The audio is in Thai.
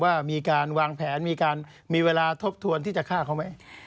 ว่ามีการวางแผนมีการมีเวลาทบทวนที่จะฆ่าเขาไหม